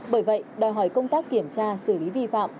bởi vậy đòi hỏi công tác kiểm tra xử lý vi phạm